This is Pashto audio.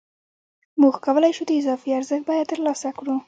موږ کولای شو د اضافي ارزښت بیه ترلاسه کړو